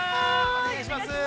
お願いします。